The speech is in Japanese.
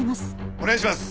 お願いします。